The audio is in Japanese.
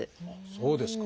そうですか。